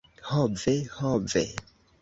Ho ve! Ho ve.